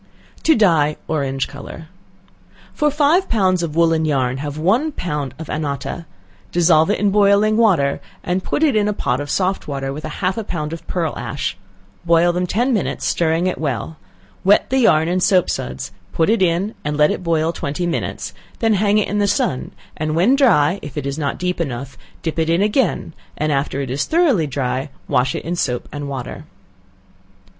To Dye Orange Color. For five pounds of woolen yarn, have one pound of annotta; dissolve it in boiling water, and put it in a pot of soft water with half a pound of pearl ash; boil them ten minutes, stirring it well; wet the yarn in soap suds; put it in, and let it boil twenty minutes; then hang it in the sun, and when dry, if it is not deep enough, dip it in again; and after it is thoroughly dry, wash it in soap and water.